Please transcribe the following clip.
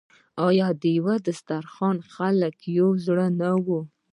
آیا د یو دسترخان خلک یو زړه نه وي؟